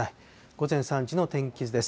午前３時の天気図です。